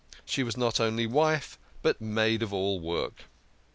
She was not only wife, but maid of all work.